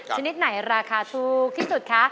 ชนิดไหนราคาถูกที่สุดคะ